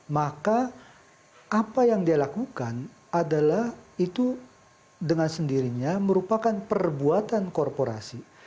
maka apa yang dia lakukan adalah itu dengan sendirinya merupakan perbuatan korporasi